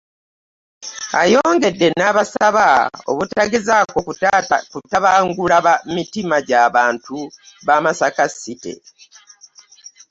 Ayongedde n'abasaba obutagezaako kutabangula mitima gy'abantu ba Masaka City.